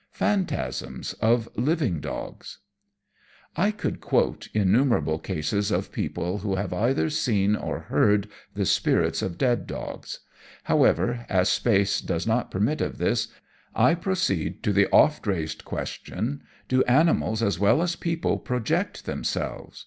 '" Phantasms of Living Dogs I could quote innumerable cases of people who have either seen or heard the spirits of dead dogs. However, as space does not permit of this, I proceed to the oft raised question, "Do animals as well as people project themselves?"